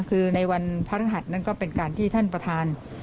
คือในวันพระฤหัสนั้นก็เป็นการที่ท่านประธาน